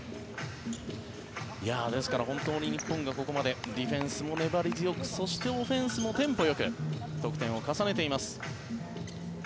ですから本当に日本がここまでディフェンスも粘り強くそして、オフェンスもテンポよく得点を重ねています。